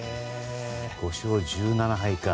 ５勝１７敗か。